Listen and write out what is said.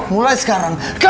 mulai sekarang kamu saya ceraikan